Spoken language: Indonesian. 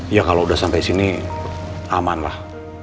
iya kalau udah sampe sini aman lah